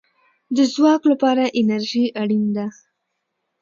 د ځواک لپاره انرژي اړین ده